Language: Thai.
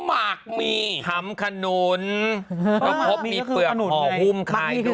มักมีก็คือขนุนมักมีก็คือขนุน